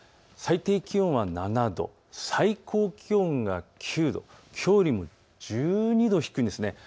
最低気温が７度、最高気温が９度、きょうよりも１２度低いんです。